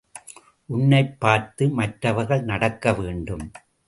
உன்னைப் பார்த்து மற்றவர்கள் நடக்க வேண்டும்.